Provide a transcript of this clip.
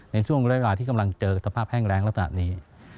ในช่วงเวลาที่กำลังเจอกับสภาพแห้งแรงลักษณะนี้